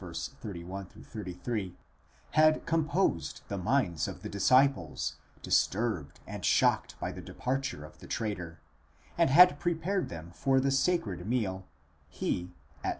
31 33) had composed the minds of the disciples, disturbed and shocked by the departure of the traitor, and had prepared them for the sacred meal, he, at v.